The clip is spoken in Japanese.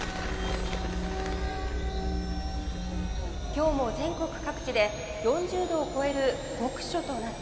「今日も全国各地で４０度を超える極暑となっています。